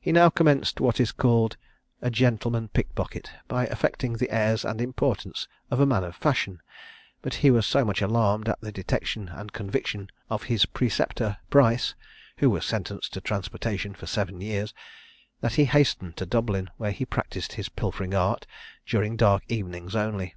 He now commenced what is called a "gentleman pickpocket," by affecting the airs and importance of a man of fashion; but he was so much alarmed at the detection and conviction of his preceptor, Price (who was sentenced to transportation for seven years), that he hastened to Dublin, where he practised his pilfering art during dark evenings only.